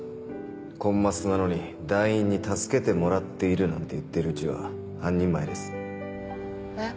コンマスなのに団員に助けてもらっているなんて言っているうちは半人前ですえっ？